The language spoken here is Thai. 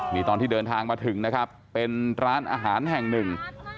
นี่ตอนที่เดินทางมาถึงนะครับเป็นร้านอาหารแห่งหนึ่ง